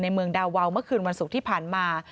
ในเมืองดาวาลของฟิลิปปินส์เมื่อคืนวันศุกร์ที่ผ่านมา